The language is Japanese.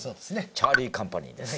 チャーリーカンパニーです